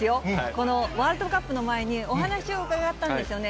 このワールドカップの前に、お話を伺ったんですよね。